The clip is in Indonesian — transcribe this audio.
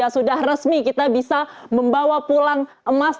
sudah resmi kita bisa membawa pulang emas